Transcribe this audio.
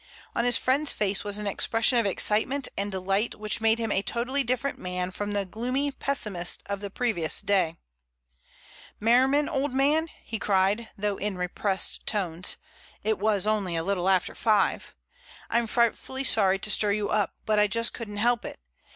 On his friend's face was an expression of excitement and delight which made him a totally different man from the gloomy pessimist of the previous day. "Merriman, old man," he cried, though in repressed tones—it was only a little after five—"I'm frightfully sorry to stir you up, but I just couldn't help it.